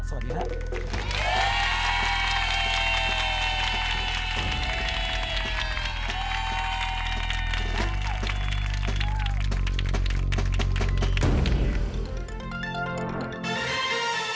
สวัสดีครับ